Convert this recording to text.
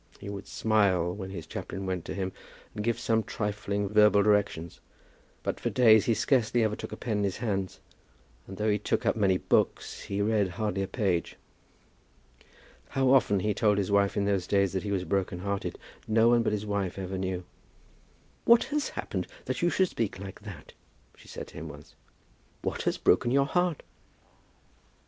He would smile when his chaplain went to him, and give some trifling verbal directions; but for days he scarcely ever took a pen in his hands, and though he took up many books he read hardly a page. How often he told his wife in those days that he was broken hearted, no one but his wife ever knew. "What has happened that you should speak like that?" she said to him once. "What has broken your heart?"